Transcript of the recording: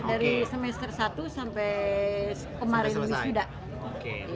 dari semester satu sampai kemarin wisuda